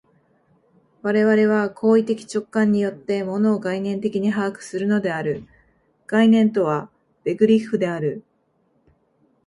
我々は行為的直観によって、物を概念的に把握するのである（概念とはベグリッフである）。